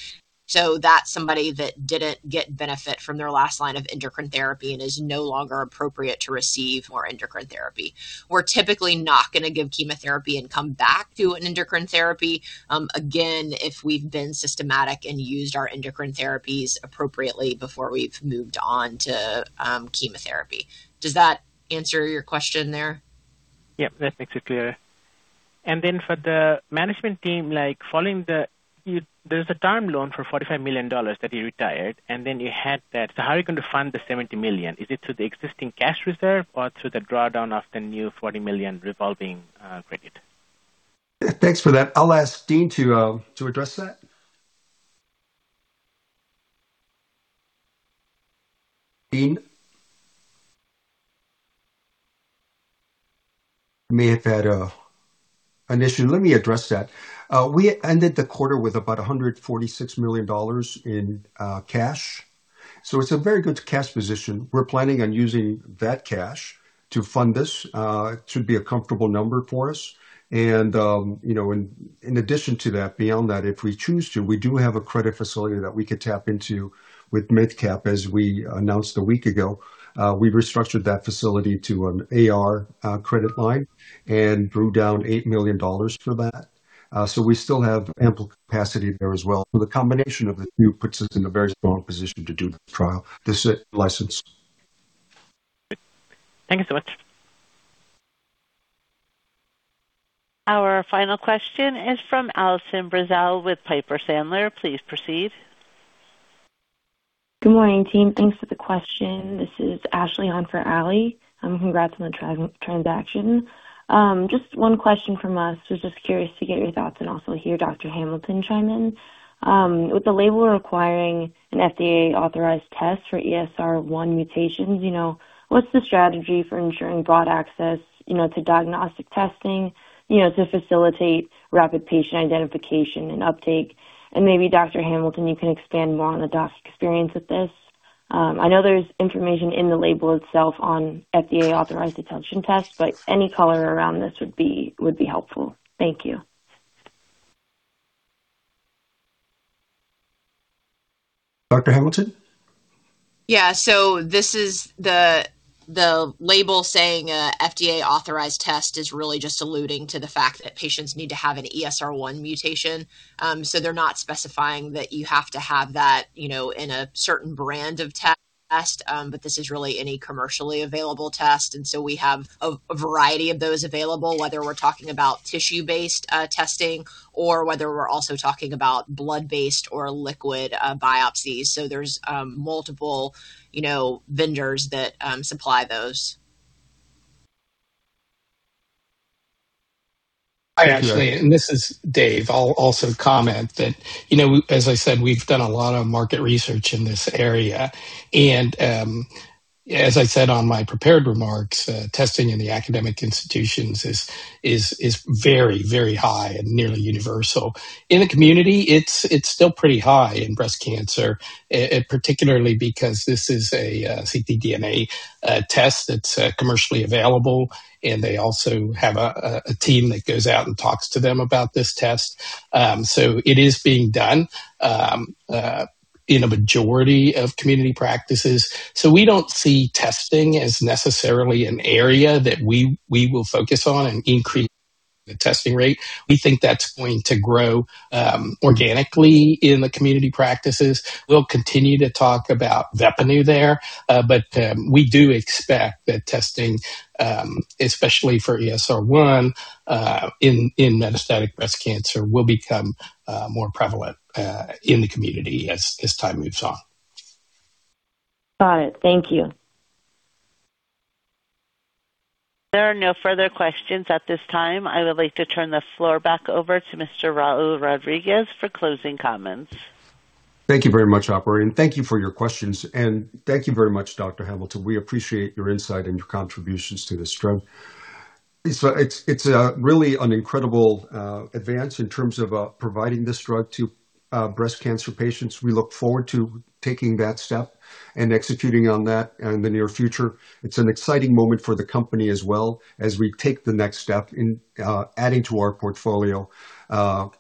S3: That's somebody that didn't get benefit from their last line of endocrine therapy and is no longer appropriate to receive more endocrine therapy. We're typically not gonna give chemotherapy and come back to an endocrine therapy again, if we've been systematic and used our endocrine therapies appropriately before we've moved on to chemotherapy. Does that answer your question there?
S9: Yeah, that makes it clearer. For the management team, like following the There's a term loan for $45 million that you retired, and then you had that. How are you going to fund the $70 million? Is it through the existing cash reserve or through the drawdown of the new $40 million revolving credit?
S1: Thanks for that. I'll ask Dean to address that. Dean? We may have had a issue. Let me address that. We ended the quarter with about $146 million in cash, it's a very good cash position. We're planning on using that cash to fund this. It should be a comfortable number for us. You know, in addition to that, beyond that, if we choose to, we do have a credit facility that we could tap into with MidCap, as we announced a week ago. We restructured that facility to an AR credit line and drew down $8 million for that. We still have ample capacity there as well. The combination of the two puts us in a very strong position to do the trial, this license.
S9: Thank you so much.
S5: Our final question is from Allison Bratzel with Piper Sandler. Please proceed.
S10: Good morning, team. Thanks for the question. This is Ashleigh on for Ally. Congrats on the transaction. Just one question from us. Was just curious to get your thoughts and also hear Dr. Hamilton chime in. With the label requiring an FDA-authorized test for ESR1 mutations, you know, what's the strategy for ensuring broad access, you know, to diagnostic testing, you know, to facilitate rapid patient identification and uptake? Maybe, Dr. Hamilton, you can expand more on the doc's experience with this. I know there's information in the label itself on FDA-authorized detection tests, any color around this would be helpful. Thank you.
S1: Dr. Hamilton?
S3: Yeah. This is the label saying, FDA-authorized test is really just alluding to the fact that patients need to have an ESR1 mutation. They're not specifying that you have to have that, you know, in a certain brand of test, but this is really any commercially available test. We have a variety of those available, whether we're talking about tissue-based testing or whether we're also talking about blood-based or liquid biopsies. There's multiple, you know, vendors that supply those.
S4: This is Dave. I'll also comment that, as I said, we've done a lot of market research in this area, and as I said on my prepared remarks, testing in the academic institutions is very, very high and nearly universal. In the community, it's still pretty high in breast cancer, particularly because this is a ctDNA test that's commercially available, and they also have a team that goes out and talks to them about this test. It is being done in a majority of community practices. We don't see testing as necessarily an area that we will focus on and increase the testing rate. We think that's going to grow organically in the community practices. We'll continue to talk about VEPPANU there, but we do expect that testing, especially for ESR1, in metastatic breast cancer, will become more prevalent in the community as time moves on.
S10: Got it. Thank you.
S5: There are no further questions at this time. I would like to turn the floor back over to Mr. Raul Rodriguez for closing comments.
S1: Thank you very much, operator. Thank you for your questions. Thank you very much, Dr. Hamilton. We appreciate your insight and your contributions to this drug. It's really an incredible advance in terms of providing this drug to breast cancer patients. We look forward to taking that step and executing on that in the near future. It's an exciting moment for the company as well as we take the next step in adding to our portfolio,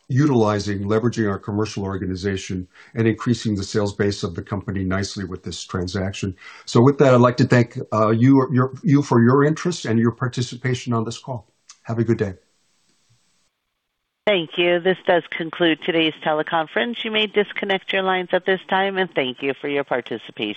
S1: utilizing, leveraging our commercial organization and increasing the sales base of the company nicely with this transaction. With that, I'd like to thank you for your interest and your participation on this call. Have a good day.
S5: Thank you. This does conclude today's teleconference. You may disconnect your lines at this time, and thank you for your participation.